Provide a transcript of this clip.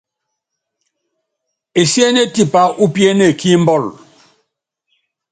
Esiéné tipá úpiéne kí mbɔl.